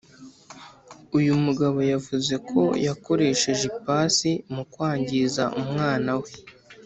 uyu mugabo yavuze ko yakoresheje ipasi mu kwangiza umwana we